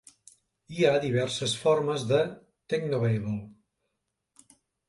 Hi ha diverses formes de "technobabble".